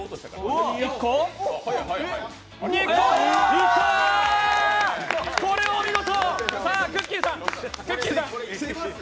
いったー、これはお見事。